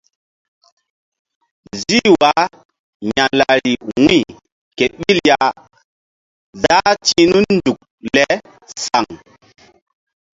Zih wah ya̧lari wu̧y ke ɓil ya záh ti̧h nun nzuk le saŋ.